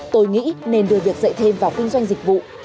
tôi nghĩ nên đưa việc dạy thêm vào kinh doanh dịch vụ